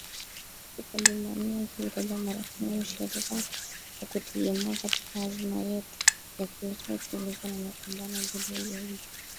siku ya Jumanne akiitaja Marekani mshirika wa kutegemewa katika azma yetu ya kuleta utulivu na mapambano dhidi ya ugaidi